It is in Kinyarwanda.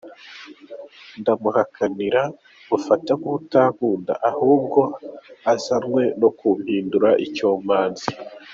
Ndamuhakanira mufata nk’utankunda ahubwo uzanywe no kumpindura icyomanzi.